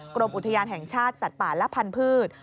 กรมอุทยานแห่งชาติสัตว์ป่าและพันธุ์